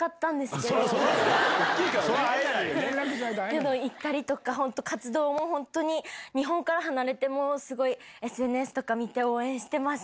けど、行ったりとか、本当、活動も、本当に日本から離れても、すごいＳＮＳとか見て応援してます。